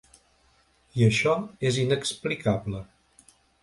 I això és inexplicable.